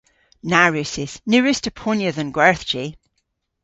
Na wrussys. Ny wruss'ta ponya dhe'n gwerthji.